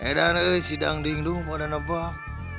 eh dan eh si dangding tuh pada nebak